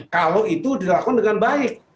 kalau itu dilakukan dengan baik